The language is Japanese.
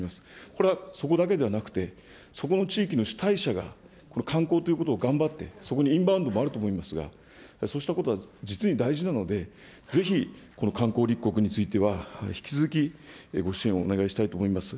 これはそこだけではなくて、そこの地域の主体者が観光ということを頑張って、そこにインバウンドもあると思いますが、そうしたことは実に大事なので、ぜひこの観光立国については、引き続きご支援をお願いしたいと思います。